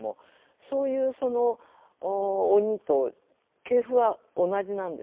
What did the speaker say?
そういう鬼と系譜は同じなんです。